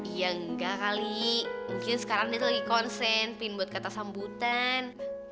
iya enggak kali mungkin sekarang dia lagi konsen pin buat kata sambutan